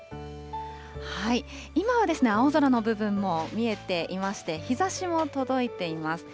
今はですね、青空の部分も見えていまして、日ざしも届いています。